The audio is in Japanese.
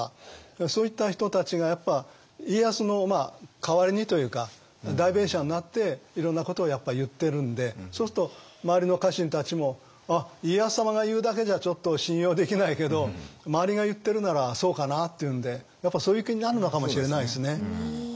そういった人たちがやっぱ家康の代わりにというか代弁者になっていろんなことをやっぱ言ってるんでそうすると周りの家臣たちもあっ家康様が言うだけじゃちょっと信用できないけど周りが言ってるならそうかなっていうんでやっぱそういう気になるのかもしれないですね。